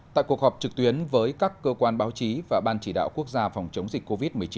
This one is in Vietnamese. tại cuộc họp trực tuyến với các cơ quan báo chí và ban chỉ đạo quốc gia phòng chống dịch covid một mươi chín